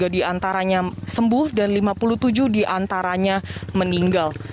sembilan ratus empat puluh tiga diantaranya sembuh dan lima puluh tujuh diantaranya meninggal